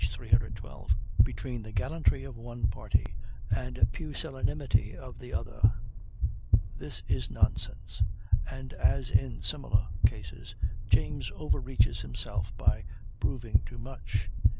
312) between the "gallantry of one party and pusillanimity of the other." This is nonsense, and, as in similar cases, James overreaches himself by proving too much.